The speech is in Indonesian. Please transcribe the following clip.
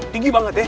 tinggi banget ya